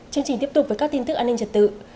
chương trình tiếp tục với các tin tức an ninh trật tự